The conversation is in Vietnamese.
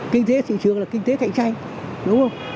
kinh tế thị trường là kinh tế cạnh tranh đúng không